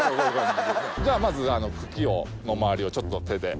じゃあまず茎の周りをちょっと手で。